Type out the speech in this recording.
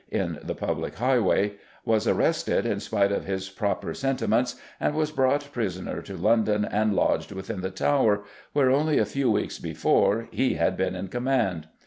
in the public highway, was arrested in spite of his proper sentiments and was brought prisoner to London and lodged within the Tower, where only a few weeks before he had been in command.